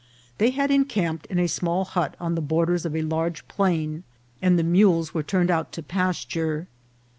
They had encamped in a small hut on the borders of a large plain, and the mules were turned out to pasture.